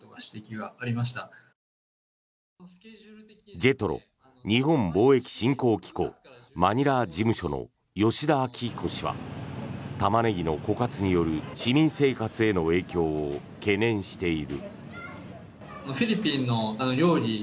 ＪＥＴＲＯ・日本貿易振興機構マニラ事務所の吉田暁彦氏はタマネギの枯渇による市民生活への影響を懸念している。